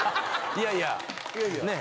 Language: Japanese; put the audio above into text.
いやいやね？